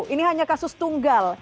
ini hanya kasus tunggal